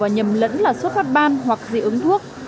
nhầm lẫn là sốt phát ban hoặc dị ứng thuốc